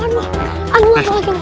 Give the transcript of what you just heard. anuah lagi bapak ustad